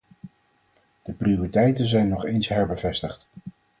De prioriteiten zijn nog eens herbevestigd.